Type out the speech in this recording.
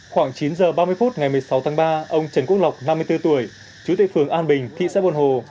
khoảng chín h ba mươi phút ngày một mươi sáu tháng ba ông trần quốc lọc năm mươi bốn tuổi chú tệ phường an bình thị xã buôn hồ